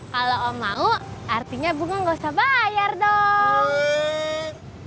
kalau mau artinya bunga gak usah bayar dong